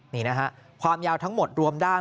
นี่นะฮะความยาวทั้งหมดรวมด้าน